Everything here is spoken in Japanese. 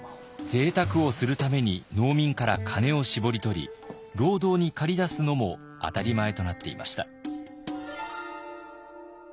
ぜいたくをするために農民から金を搾り取り労働に駆り出すのも当たり前となっていました。